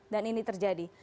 dan ini terjadi